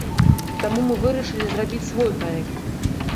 Таму мы вырашылі зрабіць свой праект.